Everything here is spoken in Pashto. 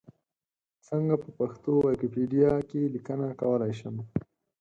څنګه په پښتو ویکیپېډیا کې لیکنه کولای شم؟